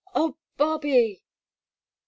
— Oh, Bobby !"